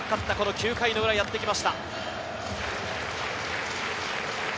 ９回裏がやってきました。